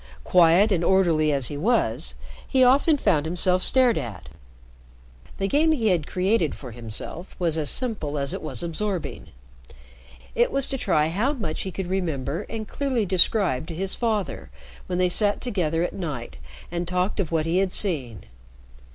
Quiet and orderly as he was, he often found himself stared at. The game he had created for himself was as simple as it was absorbing. It was to try how much he could remember and clearly describe to his father when they sat together at night and talked of what he had seen.